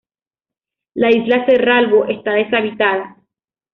La isla Cerralvo está deshabitada.